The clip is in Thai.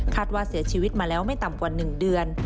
ว่าเสียชีวิตมาแล้วไม่ต่ำกว่า๑เดือน